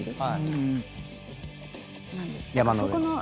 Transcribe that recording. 山の上の。